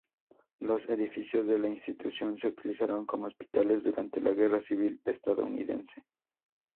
Los edificios de la institución se utilizaron como hospitales durante la guerra civil estadounidense.